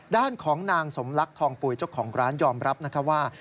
ด้านของนางสมรักทองปุ๋ยเจ้าของร้านยอมรับนะคะว่า